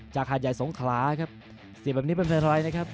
จากฮาดใหญ่สงขราครับเสียแบบนี้เป็นเป็นอะไรนะครับ